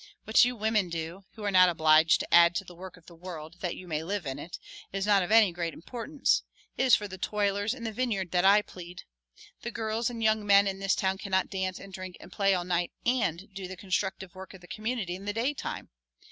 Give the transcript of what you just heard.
What you women do, who are not obliged to add to the work of the world that you may live in it, is not of any great importance; it is for the toilers in the vineyard that I plead. The girls and young men in this town cannot dance and drink and play all night and do the constructive work of the community in the daytime.